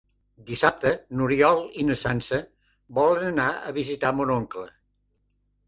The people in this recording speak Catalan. Dissabte n'Oriol i na Sança volen anar a visitar mon oncle.